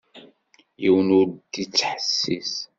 Yiwen ur d-ittḥessis.